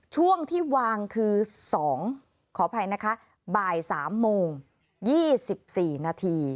ช่วงที่วางคือ๒ขออภัยนะคะบ่าย๓โมง๒๔นาที